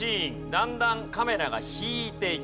だんだんカメラが引いていきます。